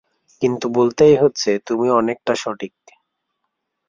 কিন্তু বলতেই হচ্ছে, তুমি অনেকটা সঠিক।